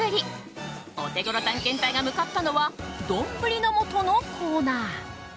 オテゴロ探検隊が向かったのはどんぶりの素のコーナー。